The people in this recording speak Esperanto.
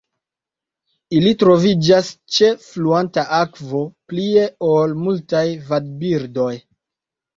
Ili troviĝas ĉe fluanta akvo plie ol multaj vadbirdoj.